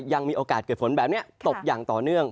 ยังมีโอกาสเกิดฝนแบบนี้ตกอย่างต่อเนื่อง